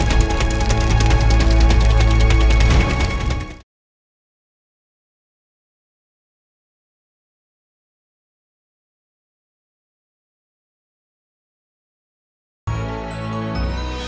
jangan lupa like subscribe dan share ya